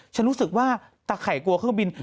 ฉันรู้สึกว่าตะไข่กลัวเครื่องบิน